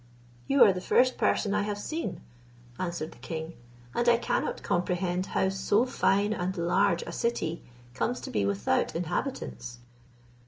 "You are the first person I have seen," answered the king, "and I cannot comprehend how so fine and large a city comes to be without inhabitants."